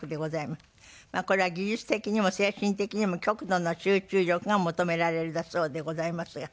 これは技術的にも精神的にも極度の集中力が求められるんだそうでございますが。